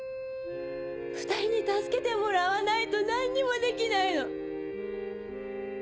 ２人に助けてもらわないと何にもできないの。